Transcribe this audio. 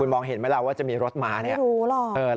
คุณมองเห็นไหมเราว่ามีรถม้าเนี่ย